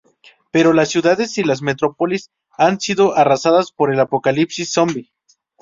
Pero las ciudades y las metrópolis han sido arrasadas por el apocalipsis zombi.